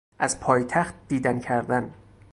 از پایتخت دیدن کردن